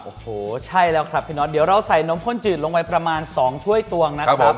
โอ้โหใช่แล้วครับพี่น็อตเดี๋ยวเราใส่นมข้นจืดลงไปประมาณ๒ถ้วยตวงนะครับ